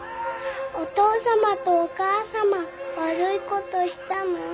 お父様とお母様悪いことしたの？